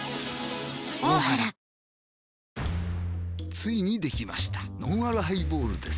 ついにできましたのんあるハイボールです